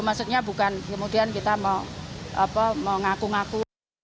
maksudnya bukan kemudian kita mau ngaku ngaku